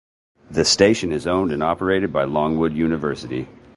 The station is owned and operated by Longwood University.